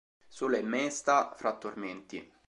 Sola e mesta fra tormenti".